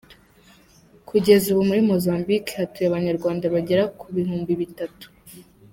Kugeza ubu muri Mozambique hatuye Abanyarwanda bagera ki bihumbi bitatu.